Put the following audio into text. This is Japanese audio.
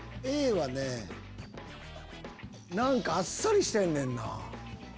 Ａはね何かあっさりしてんねんな。